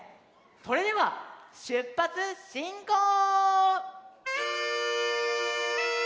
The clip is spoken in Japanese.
それではしゅっぱつしんこう！